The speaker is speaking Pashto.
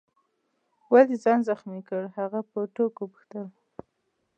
ولي دي ځان زخمي کړ؟ هغه په ټوکو وپوښتل.